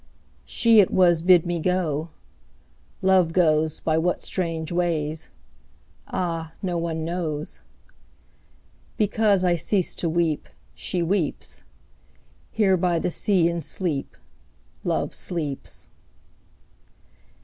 She it was bid me go; Love goes By what strange ways, ah! no One knows. Because I cease to weep, She weeps. Here by the sea in sleep, Love sleeps.